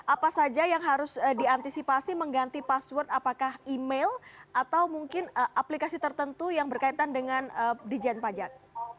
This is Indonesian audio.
apa saja yang harus diantisipasi mengganti password apakah email atau mungkin aplikasi tertentu yang berkaitan dengan dijen pajak